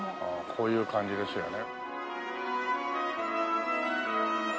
こういう感じですよね。